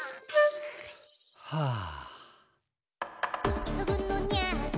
はあ。